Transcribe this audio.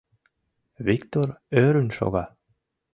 Виктор ӧрын шога.